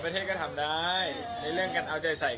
ที่ธุรกิ